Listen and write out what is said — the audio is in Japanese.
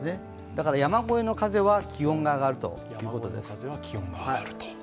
だから山越えの風は気温が上がるということです。